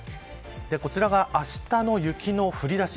こちらがあしたの雪の降りだし。